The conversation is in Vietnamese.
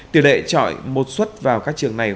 từ lệ trọi một xuất vào các trường này